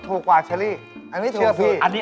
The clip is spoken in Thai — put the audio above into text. ถูกกว่าเชอร์รี่อันนี้เชอร์รี่